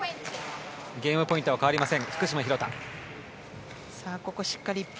ゲームポイントは変わりません。